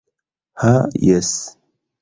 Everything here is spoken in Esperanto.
Ha jes...